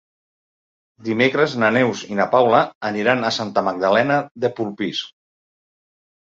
Dimecres na Neus i na Paula aniran a Santa Magdalena de Polpís.